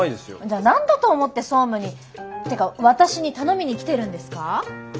じゃあ何だと思って総務にてか私に頼みに来てるんですか？